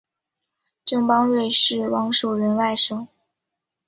郑邦瑞是王守仁外甥。